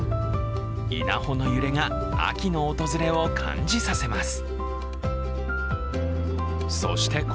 稲穂の揺れが秋の訪れを感じさせます。